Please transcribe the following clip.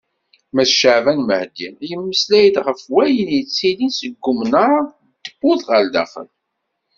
Mass Caɛban Mahdi, yemmeslay-d ɣef wayen yettilin seg umnar n tewwurt ɣer daxel.